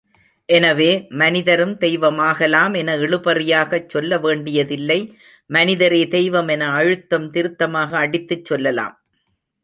எனவே, மனிதரும் தெய்வமாகலாம் என இழுபறியாகச் சொல்ல வேண்டியதில்லை மனிதரே தெய்வம் என அழுத்தம் திருத்தமாக அடித்துச் சொல்லலாம்.